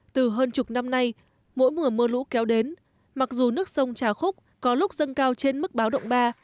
từ hơn chục năm nay mỗi mùa mưa lũ kéo đến mặc dù nước sông trà khúc có lúc dâng cao trên mức báo động ba